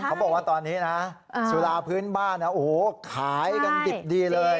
เขาบอกว่าตอนนี้นะสุราพื้นบ้านโอ้โหขายกันดิบดีเลย